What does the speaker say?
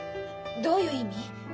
どういう意味？